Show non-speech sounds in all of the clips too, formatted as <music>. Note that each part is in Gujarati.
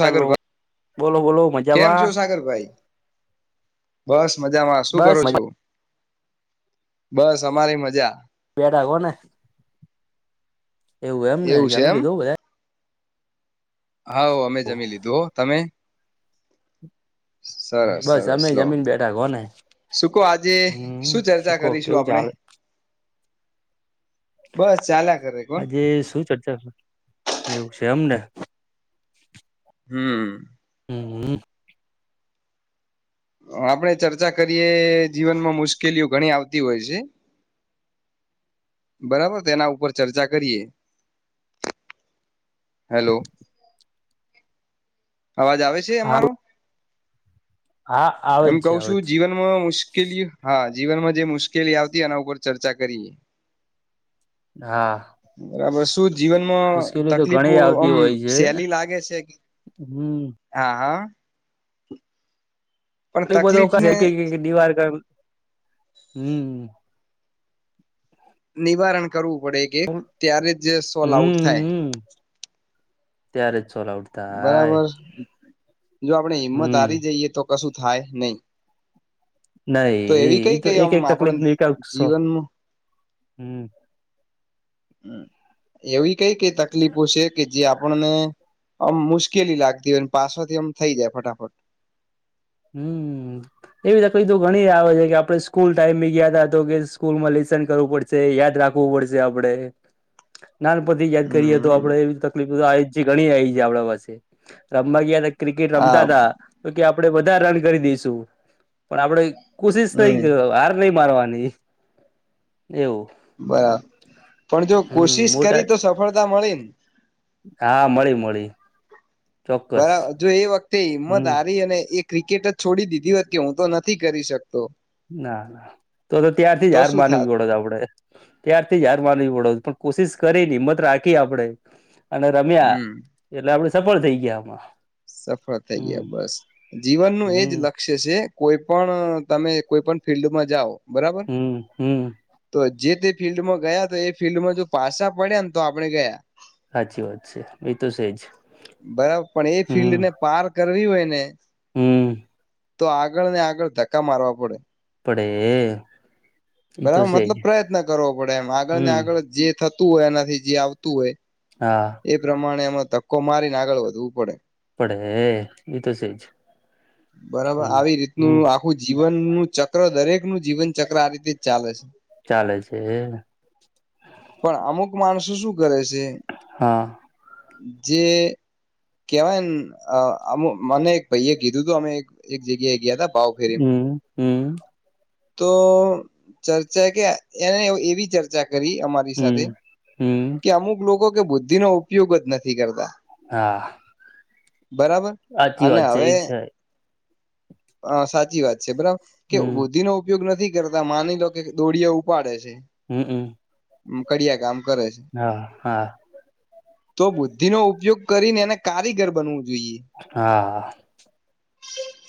હેલો બોલો બોલો કેમ છો મજામાં સાગરભાઈ બસ મજામાં શું બસ કરું મજા છું બસ અમારી મજા બેઠા કોને એવું એમ ને છે જમી એમ લીધું બધા હા અમે જમી લીધું હો તમે સરસ બસ સરસ અમે લો જમીન બેઠા કો ને શું ક આજે હમ શું ચર્ચા કહો કરીશું કેવું આપણે ચાલે બસ ચાલ્યા કરે કોણ આજે શું ચર્ચા કર એવું છે એમને હમ હમ આપણેે ચર્ચા કરીએ જીવનમાં મુશ્કેલીઓ ઘણી આવતી હોય છે હ બરાબર તેના ઉપર ચર્ચા કરીએ હેલો અવાજ આવે છે હા અમારો હા આવે એમ જ છે કવ આવે છું જ છે જીવનમાં મુશ્કેલી હા જીવનમાં જે મુશ્કેલી આવતી એના ઉપર ચર્ચા કરીએ હા બરાબર શું જીવનમાં મુશ્કેલી તો તકલીફો ઘણી આવતી આમ હોય છે સેલી લાગે છે હમ હા હા પણ એ તકલીફને બધો દીવાર હમ નિવારણ કરવું પડે એક એક ત્યારે જ સોલ આઉટ થાય હમ ત્યારે જ સોલા ઉઠતા હાય બરાબર જો આપડે હિંમત હમ હારી જઈએ તો કશું થાય નહી તો નાહી એ એવી કઈ એઈ તો કઈ એક આમ એક આપણ તકલીફ ન એક જીવનમાં હમ એવી કઈ કઈ તકલીફો છે કે જે આપણને આમ મુશ્કેલી લાગતી હોય પાછોથી આમ થઈ જાય ફટાફટ હમ એવી તકલી તો ઘણી આવે છે કે આપડે સ્કૂલ ટાઈમ ી ગયા ત તો કે સ્કૂલ મળી કરવું પડશે યાદ રાખવું પડશે આપડે નાનપથી યાદ કરીએ તો હમ આપડે એવી તકલીફ ઘણી આવી છે આપણા પાસે રામબયા ક્રિકેટ રમતા હા હતા તો કે આપડે બધા રન કરી દઈશું પણ આપણે કોશિશ હમ કઈ હાર નહી મારવાની એવું બરાબર પણ જો કોશિશ હમ મોટા કરી તો સફળતા મળી ને હા મળી મળી ચોક્કસ બરાબર જો એ વખતે હિંમત હમ હારી અને એક ક્રિકેટ જ છોડી દીધી હોત કે હું તો નથી કરી શકતો ના ના તો તો ત્યારથી જ તો હાર શું માનવી થાત પડો છ આપડે ત્યારથી જ હાર માનવી પડો પણ કોશિશ કરી હિમત રાખી આપડે અને રમ્યા હમ એટલે આપણે સફળ થઇ ગયામાં સફળ થઈ ગયા બસ જીવનનુંું એજ હમ લક્ષ્ય છે કોઈ પણ તમે કોઈ પણ ફિલ્ડમાં જાઓ બરાબર હમ હમ તો જે તે ફિલ્ડમાં ગયા તો એ ફિલ્ડમાં જો પાસાા પડ્યા ને તો આપડણે ગયા સાચી વાત છે એ તો છેજ બરાબર પણ એ ફિલ્ડ ને પાર કરવી હોય ને હમ તો આગળ ને આગળ ધક્કા મારવા પડે અ પડે એ તો બરાબર સેજ મતલબ પ્રયત્ન કરવો પડે એમ આગળ ને હમ આગળ જે થ ું હોય એનાથી જે આવતું હોય હા એ પ્રમાણે એમાં ધક્કો મારીને આગળ વધવું પડે પડે એ તો છેજ બરાબર આવી રીતનું આખું જીવન જીવન નું ચક્ર દરેક નું જીવન ચક્ર આ રીતે જ ચાલે છે ચાલે છે પણ અમુક માણસો શું કરે છે હા જે કેવાયમ મને એક ભાઈ એ કીધું તું અમે એક જગ્યાએ ગયા થા હમ. હમ. તો ચર્ચા કે એને એવી ચર્ચા કરી અમારી હમ હમ કે અમુક લોકો કે બુદ્ધિ નો ઉપયોગ જ નથી કરતા. હા બરાબર. સાચી અને વાત છે હવે એ છે હ સાચી વાત છે બરાબર કે હમ બુદ્ધિ નો ઉપયોગ નથી કરતા માની લો કે દોડીિયા ઉપાડે છે. હમ. હમ. કડીિયા ગામ હા હા. તો બુદ્ધિ નો ઉપયોગ કરીને એને કારીગર બનવું હા હા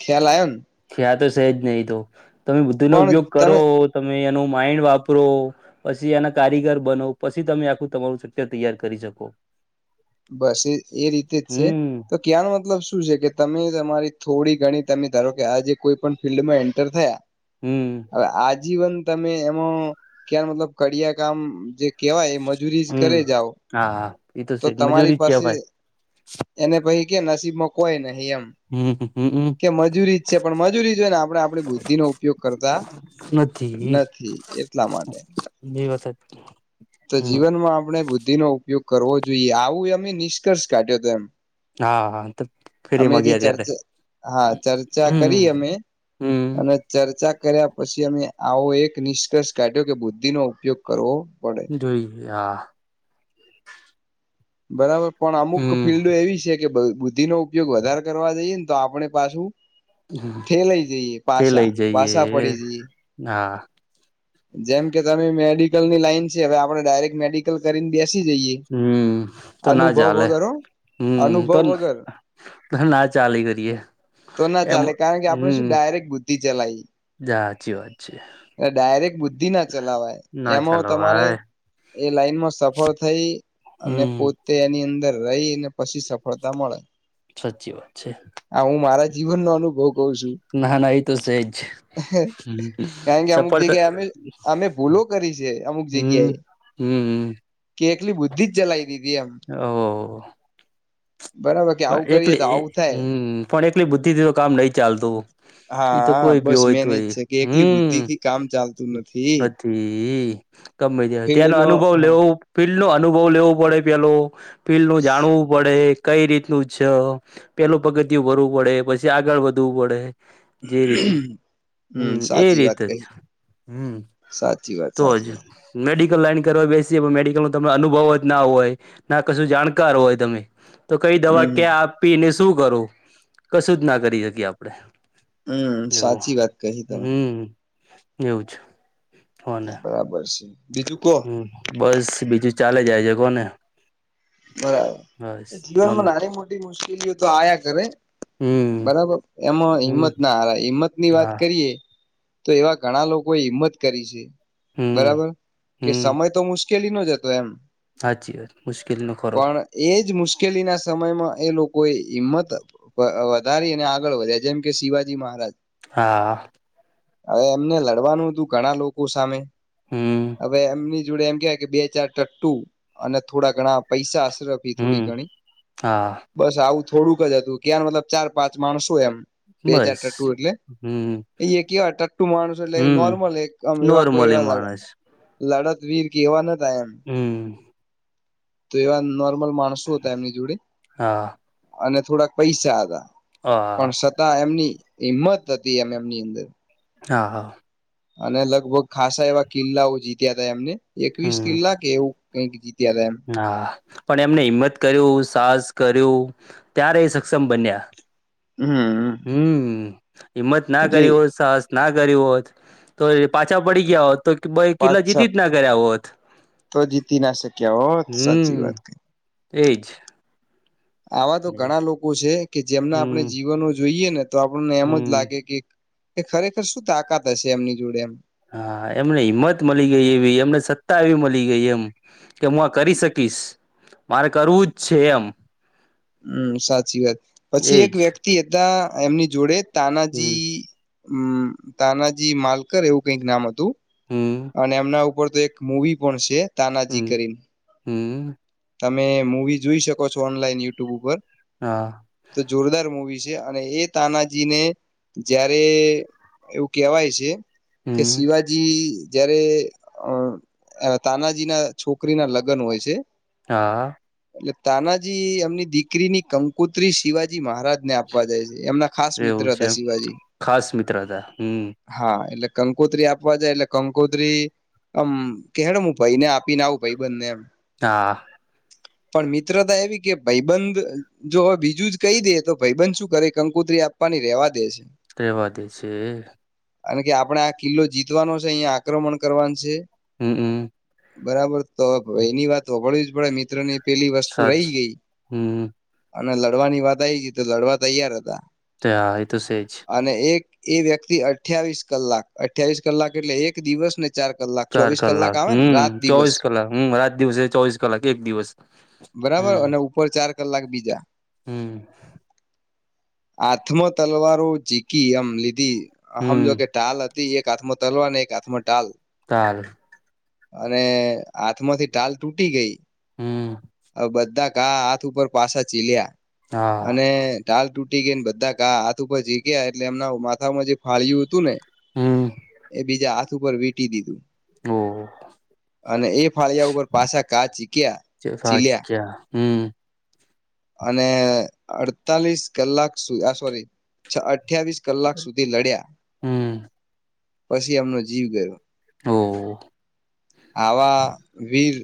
ખિયાલયન. ક્યા તો છેજ નહીિ તો તમે બુદ્ધિ નો ને પણ ઉપયોગ કરો તમે તમે એનો માઇન્ડ વાપરો પછી એના કારીગર બનો પછી તમે આખું તમારું સકર તૈયાર કરી શકો બસ એ એ રીતે જ છે હમ તો ક્યાનો મતલબ શું છે કે તમે તમારી થોડી ગણી તમે ધારો કે આજે કોઈ પણ ફિલ્ડમાં એન્ટર થયા હમ હવે આજીવન તમે એમાં ક્યા મતલબ કિયા કામ જે કેવાય મજ રી કર હમ જાઓ હા હા એ તો છે જ. મજૂરી તમારી જ પાસે કેવાય એને પય કે નસીબમાં કોઈ નહી એમ હમ હમ કે મજૂરી જ છે પણ મજૂરી જોય ને આપણે આપણી બુદ્ધિનો ઉપયોગ કરતા નથી બે નથી એટલા માટે <unintelligible> તો હમ જીવનમાં આપણે બુદ્ધિ નો ઉપયોગ કરવો જોઈએ આવું એમે નિષ્કર્ષ કાઢ્યો હતો એમ હા હા અમે જે ફરીમાંગીયા ત્યારે ચર્ચા હા ચર્ચા હમ કરી અમે અને હમ ચર્ચા કર્યા પછી અમે આવો એક નિષ્કર્ષ કાઢ્યો કે બુદ્ધિ નો ઉપયોગ કરવો પડે. જોઈ હા. બરાબર પણ અમુક હમ ફિલ્ડો એવી છે કે બુદ્ધિ નો ઉપયોગ વધારે કરવા જઈએ ને તો આપણે પાછું ઠેલઈ જઈએ તે પાછા લઈ જઈએ પાછા પડી જઈએ. હા ની લાઈન છે હવે આપણે ડાયરેક્ટ મેડિકલ કરીને બે્યાસ હમ તો ના ચાલે. વગર હો હમ અનુભવ તો વગર ના ચાલે કરીએ. તો ના એમ ચાલે કારણ કે આપણે શું ડાયરેક્ટ બુદ્ધિ ચલાવી. સા સાચી વાત છે. ડાયરેક્ટ બુદ્ધિ ના ચલાવાય ના એમાં ચાલો તમારે ભાઈ એ લાઈનમાં સફળ થઈ અને હમ પોતે એની અંદર રહી ને પછી સફળતા મળે સાચી વાત છે. આ હું મારા જીવનનો અનુભવ ક છું ના ના એ તો સહેજ કારણ કે અમુક જગ્યા સફળતા અમે અમે ભૂલો કરી છે અમુક હમ જગ્યાએ. હમ કે એકલી બુદ્ધિ જ ચલાઈ ઓ બરાબર કે પણ આવું એકલે કરીએ તો આવું થાય હમ પણ એક એટલી બુ્િથી તો કામ નહી ચાલતું ઈતો હા કોઈ ભી બસ હોય મેન તો એ એજ છે કે એકલી હમ, બુદ્ધિ થી કામ ચાલતું નથી નથી. ગી જ ફિલ્ડ ત્યાંનો નો અનુભવ લેવો ફિલ્ડ નો અનુભવ લેવો પડે પેલો ફીડ નું જાણવું પડે, કઈ રીતનું છે, પેલું પગતિું ભરવું પડે, પછી આગળ વધવું પડે, જે રીતનું <unintelligible> હમ એ સાચી વાત રીતે કહી જ હમ સાચી વાત તોજ સાચી વાત મેડિ કલ લાઈન કરવા બેસીએ પણ મેડિકલ નો અનુભવ જ ના હોય ના કશું જાણકાર હોય તમે તો કઈ દવા હમ ક્યાં આપીને શું કરું કશું જ ના કરી શકીએ આપડણે હમ સાચી વાત કહી તમે હમ એવુંજ બરાબર છે બીજું કો હમ બસ બીજું ચાલે જાય છે કોને બરાબર બસ કોને જીવનમાં નાની મોટી મુશ્કેલીઓ તો આયા કરે હમ બરાબર એમાં હમ હિંમત ના હ હિંમત ની વાત હા કરીએ. તો એવા ઘણા લોકોએ હિંમત કરી છે હમ બરાબર કે સમય તો મુશ કેલી જનો હતો એમ. હાચી વા મુશ્કેલ નો ખરો પણ એજ મુશ્કેલીના સમયમાં એ લોકોએ હિંમત વધારી અને આગળ વધ્યા જેમ કે શિવાજી મહારાજ હા. હવે એમને લડવાનું હતું ઘણા લોકો સામે હમ હવે એમની જોડે એમ કવાય કે બે ચાર ટટ્ટુ અને થોડા ઘણા પૈસા હમ થોડી ઘણી હા બસ આવું થોડુંક હતું ક મતલબ ચાર પાંચ માણસો એમ. બે ચાર બસ ટટ્ટુ એટલે હમ એ કિયા અટકતુ માણસો એટલે હમ નોર્મલ એક આમ એવા કોઈ નોર્મલી એવા માણસ. લડત વર કેવા નથ હમ્મ તો એવા નોર્મલ માણસો હતા એમની જોડે હા અને થોડાક પૈસા હતા. હ પણ છતાં એમની હિમત હતી એમ એમની અંદર હા હા. અને લગભગ ખાસા એવા કિલ્લાઓ જીત્યા તા એમને એકવીસ હમ કિલ્લા કે એવું કઈક જીત. હા પણ એમને હિમત કર્યું સાહસ કર્યું. ત્યારે એ સક્ષમ બન્યા હમ્મ હમ હિંમત ના કરી હોત સાહસ ના કરી હોત તો પાછા પડી ગયા હોત તો ભાઈ પાંચ કિલ્લા છ જીતી જ ના કર્યા હોત. બહોત સાચી હમ વાત એજ. આવા તો હમ ઘણા લોકો છે કે જેમના આપણે જીવનો જોઈએ ને તો આપણને એમ જ હમ લાગે કે કે ખરેખર શું તાકાત હશે એમની જોડે એમ હા એમને હિંમત મળી ગઈ એવી એમને સત્તા એવી મળી ગઈ એમ કે હું આ કરી શકીશ મારે કરવું જ છે એમ. હમ સાચી વાત પછી એક એજ વ્યક્તિ હતા એમની જોડે હમ તાનાજી- હમ તાનાજી માલકર એવું કઈક નામ હતું હમ અને એમના ઉ પર તો એક મવી પણ છે. તાનાજી હમ્મ કરીને હમ્મ. તમે મવી જોઈ શકો છો ઓનલાઈન યુટ્યુબ ઉપર હા તો જોરદાર મુવી છે. અને એ તાનાજી ને જયારે એવું કેવાય છે. કે હમ શિવાજી જયારે અ તાનાજી ના છોકરી ના લગ્ન હોય છે. હા. એટલે તાનાજી એમની દીકરીની કંકુત્રી શિવાજી મહા રાજ ને આપવા જાય છે એમના ખાસ મિત્ર એવું છે હતા શિવાજી ખાસ મિત્ર હતા હમ હા એટલે કંકોત્રી આપવા જાય એટલે કંકોત્રી આમ કેડ હું ભાઈને આપીને આવું ભાઈ બંને એમ હા. પણ મિત્રતા એવી કે ભાઈબંધ જો હવે બીજું જ કહી દે તો ભાઈબંધ શું કરે કંકુ આપવાની રવા દે છે. કવા દે છે. અને કે આપડણે આ કિલ્લો જીતવાનો છે અહિયાંયા આક્રમણ કરવાનું છે. હમ્મ હમ્મ. બરાબર તો એની વાત વળવી જ પડે મિત્ર ની પેલી વસ્તુ રહી સાચી ગઈ હમ અને લડવાની વાત આવી ગઈ તો લડવા તૈયાર હતા. તે હા એ તો સજ અને એક એ વ્યક્તિ અઠ્યાવીસ કલાક અઠ્યાવીસ કલાક એટલે એક દિવસને ચાર કલાક હમ દિવસ ચોવીસ કલાક હમ રાત દિવસે ચોવીસ કલાક એક દિવસ બરાબર હમ અને ઉપર ચાર કલાક બીજા હમ હાથમાં તલવાર જીકી આમ લીધી સમમ હમ જો કે ટાલ હતી એક હાથમાં તલવા અને એક હાથમાં ટાલ તાલ અને હાથમાંથી ાલ તૂટી ગઈ હમ બધા કા હાથ ઉપર પાસાા ચીલ્યા હા અને ટાલ તૂટ ટી ગઈ ને બધાા હાથ ઉપર જીગ્યા એટલે એમના માથામાં જે ફાળય્યું હતું ને હમ એ બીજા હાથ ઉપર વીંટી દીધું ઓ અને એ ફાળિયાગર પાછા કાચી ક્યા સાચ હમ અને અડતાલીસ કલાક સુધી આ સોરી અઠવીસ કલાક સુધી લડ્યા હમ પછી એમનો જીવ ગયો ઓ આવા વીર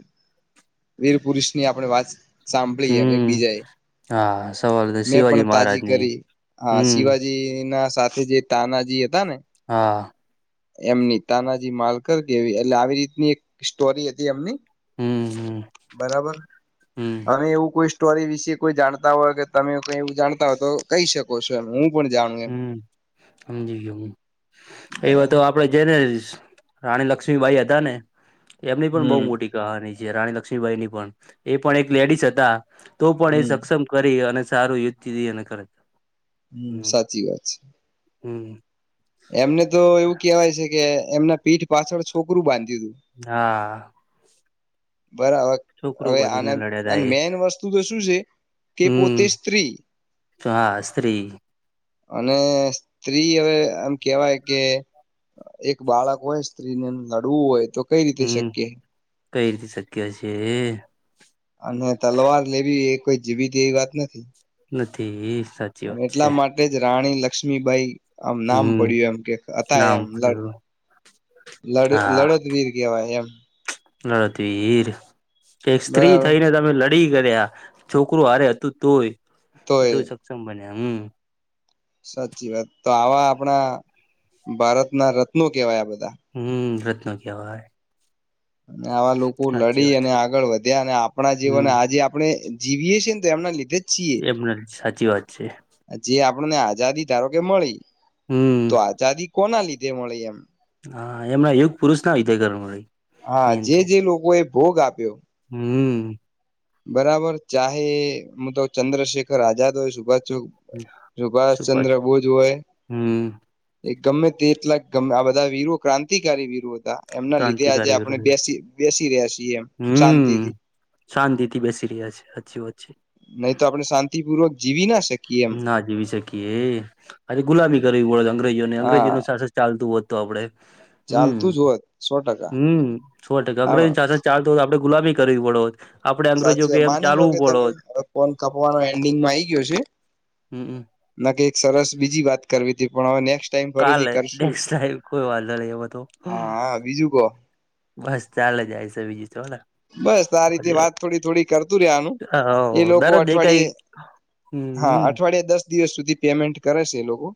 વીર પુરુષની આપણે વાત સાંભળીએમ હમ એકબીજાએ હા સવાલ મેં શિવાજી પણ તાજી મહારાજની કરી હ હમ શિવાજી ના સાથે જે તાનાજી હતા ને હા એમની તાનાજી માલકર કેવી એટલે આવી રીતની એક સ્ટોરી હતી એમની હમ હમ બરાબર હમ અને એવું કોઈ સ્ટોરી વિશે કોઈ જાણતા હોય કે તમે કોઈ એવું જાણતા હોય તો કહી શકો છો એ હું પણ જાણું એમ હમ સમજી ગયયો હ એવા તો બરાબર આપડે જઈને રાણી લક્ષ્મીબાઈ હતા ને એમની પણ બહુ હમ મોટી કહાની છે રાણી લક્ષ્મીબાઈ ની પણ એ પણ એક લેડીસ હતા તો પણ એ હમ સક્ષમ કરી અને સારું યી હતીી એ અને કરરાતા હમ સાચી વાત છે હમ એમને તો એવું કેવાય છે કે એમના પીઠ પાછળ છોકરું બાંધે હા બરાબર છોકરું હવે બધીને લડ્યા આ તા એ મેન વસ્તુ તો શું છે કે પોતે હમ સ્ત્રી હા સ્ત્રી અને સ્ત્રી હવે આમ કેવાય કે એક બાળક હોય સ્ત્રીને લડવું હોય તો કઈ રીતે હમ શક્ય કઈ રીતે શક્ય છે અને તલવાર લેવી એ કોઈ જીવી દે એવી વાત નથી નથી સાચી અને વાત છે એટલા માટે જ રાણી લક્ષ્મીભાઈ આમ નામ હમ પડ્યું એમ કે હતા નામ એમડ પડ્યું લડ લડતવીર કેવાય એમ લડત વર એક સ્ત્રી બરાબર થઈને તમે લડી ડી કર્યા છોકરું હરે હતું તોય તોય સક્ષમ બન્યા હમ સાચી વાત તો આવા આપણા ભારતના રત્નો કેવાયા બધા હમ રત્નો કે આવાજ આવા લોકો લડી અને આગળ વધ્યા અને આપણા જીવન હમ આજે આપણે જીવીી છે તો એમના લીધે જ છીએ એમને સાચી વાત છે આપને આઝાદી ધારો કે મળી તો આઝાદી કોના લીધે મળી એમ હા એમના યુગ પુરુષ ના હોય કરવાર મળ હા જે જે લોકો એ ભોગ આપ્યો હમ બરાબર ચાહે મ તો ચંદ્રશેખર આઝાદ હોય સુભાષ શું વાત સુભાષચંદ્ર બોઝ હોય એક ગમે તેટલાક ગમે આ બધા વીર ક્રાંતિકારી વીર હતા એમના લીધે આજે ક્રાંતિકારી આપણે વિરોધ બેસી બેસી રહ્યા છીએ એમ શાંતિથી અ બેેશસી ર રહયા છે હી વાચી નહી તો આપડણે શાંતિપૂર્વક જીવી ના શકીએ એમ ના જીવી શકીએ એ આજે ગુલામી કરવી પડે અંગ્રેજીઓને અંગ્રેજી ન હા શન ચાલતું હોત તો આપડે હમ ચાલતું જ હોત સો ટકા હમ સો ટ હા અંગ્રેજની સાથે ચાર દિવ આપડે ગુલાબી વી પડ સાચી માની લો કે તમેવે ફન કાપવાનો એન્ડિંગમાં આઈ ગયો છે હમ હમ ના એક સરસ બીજી વાત કરવી હતી પણ ટાઈમ ફરીથી કાને કરશું લાઈ કોઈ વાંધ નહી એ બધું હા હા બીજું કહો બસ ચાલે જાય છે બીજી તોલા બસ આ રીતે વાત થોડી થોડી કરતું રે આનું એ હા લોકો દરરોજ દેખાય અઠવાડિયે હા હમ અઠવાડિયાે દસ દિવસ સુધી પેમેન્ટ કરે છે એ લોકો